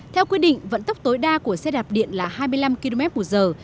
theo quyết định vận tốc tối đa của xe đạp điện là hai mươi năm km một giờ